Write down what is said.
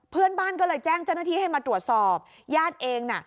เพื่อนบ้านก็เลยแจ้งเจ้าหน้าที่ให้มาตรวจสอบญาติเองน่ะ